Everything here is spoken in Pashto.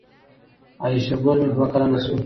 عایشه ګل مې دوه کلنه شو